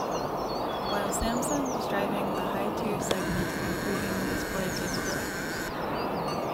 While Samsung was driving the high tier segment improving display capability.